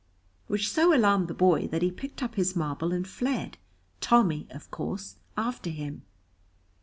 which so alarmed the boy that he picked up his marble and fled, Tommy, of course, after him.